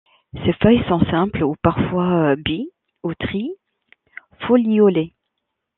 Ses feuilles sont simples ou parfois bi ou tri-foliolées.